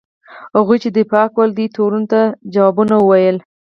هغوی چې دفاع کوله دې تورونو ته ځوابونه وویل.